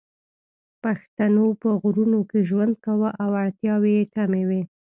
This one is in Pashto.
پښتنو په غرونو کې ژوند کاوه او اړتیاوې یې کمې وې